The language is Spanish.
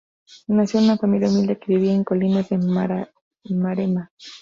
Nació en una familia humilde que vivía en las colinas de Maremma.